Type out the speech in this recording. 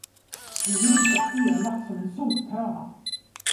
Du är lika elak som en sothöna.